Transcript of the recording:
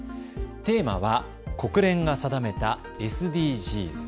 テーマは国連が定めたＳＤＧｓ。